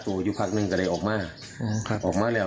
คุณผู้ชมสักตี๓กว่านะ